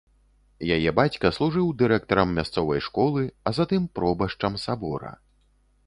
Яе бацька служыў дырэктарам мясцовай школы, а затым пробашчам сабора.